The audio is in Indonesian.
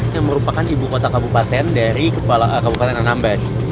yang merupakan ibukota kabupaten dari kabupaten anambas